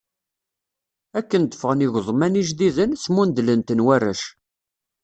Akken d-ffɣen igeḍman ijdiden, smundlen-ten warrac.